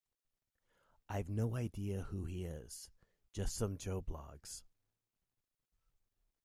I've no idea who he is: just some Joe Bloggs